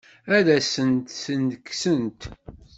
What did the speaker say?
Ad asent-ten-kksent?